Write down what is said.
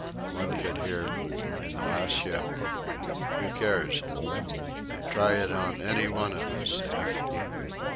One could hear: "In the last ship" "Who cares? Try it on any one of us if